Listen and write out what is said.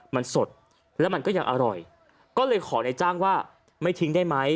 มันสดแล้วมันก็ยังอร่อยก็เลยขอในจ้างว่าไม่ทิ้งได้ไหม